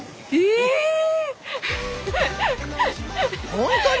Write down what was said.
本当に？